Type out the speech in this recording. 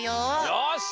よし！